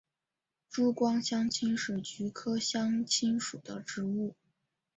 珠光香青是菊科香青属的植物。